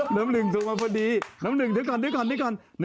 น้ำหนึ่งโทรมาพอดีน้ำหนึ่งเดี๋ยวก่อน